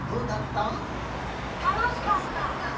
たのしかった！